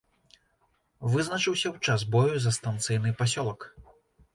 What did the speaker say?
Вызначыўся ў час бою за станцыйны пасёлак.